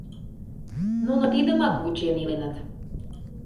Нуно тидымак вучен иленыт.